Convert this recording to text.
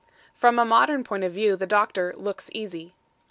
From a modern point of view the Doctor "looks easy."